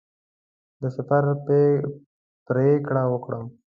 د سفر پرېکړه وکړم.